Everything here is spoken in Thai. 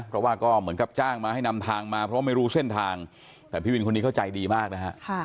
เพราะว่าก็เหมือนกับจ้างมาให้นำทางมาเพราะไม่รู้เส้นทางแต่พี่วินคนนี้เขาใจดีมากนะฮะ